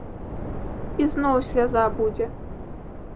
І зноў сляза будзе.